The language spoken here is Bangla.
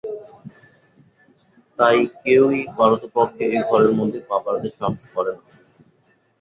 তাই কেউ-ই পারতপক্ষে এ ঘরের মধ্যে পা বাড়াতে সাহস করে না।